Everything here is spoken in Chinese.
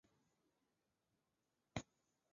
艾居埃丰德人口变化图示